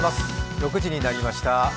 ６時になりました。